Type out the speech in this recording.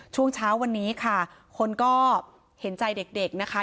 ช่วงเช้าวันนี้ค่ะคนก็เห็นใจเด็กนะคะ